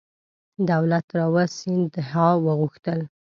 دولت راو سیندهیا وغوښتل.